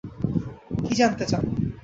কী জানতে চান?